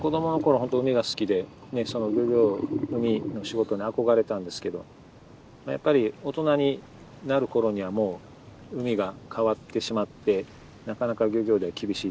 ホント海が好きで漁業海の仕事に憧れたんですけどやっぱり大人になるころにはもう海が変わってしまってなかなか漁業では厳しい。